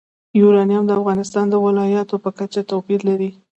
یورانیم د افغانستان د ولایاتو په کچه توپیر لري.